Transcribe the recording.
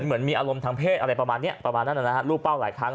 เหมือนมีอารมณ์ทางเพศอะไรประมาณนั้นรูปเป้าหลายครั้ง